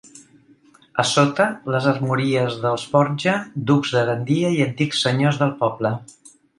A sota, les armories dels Borja, ducs de Gandia i antics senyors del poble.